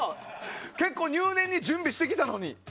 結構、入念に準備してきたのに。